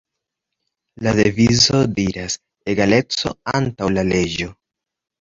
La devizo diras, "Egaleco Antaŭ La Leĝo.